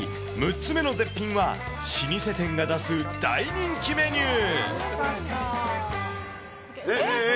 ６つ目の絶品は、老舗店が出す大人気メニュー。